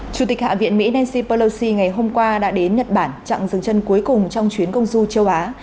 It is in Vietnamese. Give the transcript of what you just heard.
chủ tịch hạ viện mỹ nancy pelosi ngày hôm qua đã đến nhật bản chặng dừng chân cuối cùng trong chuyến công du châu á